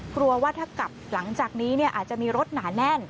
กลัวว่าถ้ากลับหลังจากนี้อาจจะมีรถหนาแน่น